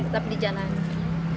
tetap di jalan